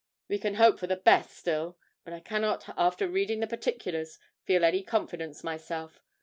We can hope for the best still, but I cannot after reading the particulars feel any confidence myself.